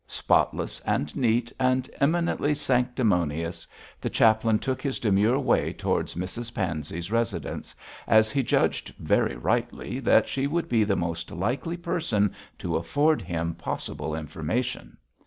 Spotless and neat and eminently sanctimonious, the chaplain took his demure way towards Mrs Pansey's residence, as he judged very rightly that she would be the most likely person to afford him possible information.